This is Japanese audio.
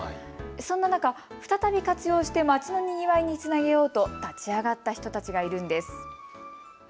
そんな中、再び活用して街のにぎわいにつなげようと立ち上がった人たちがいるんです。